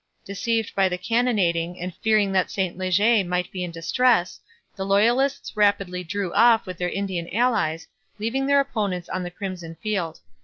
Deceived by the cannonading and fearing that St Leger might be in distress, the loyalists rapidly drew off with their Indian allies, leaving their opponents on the crimson field.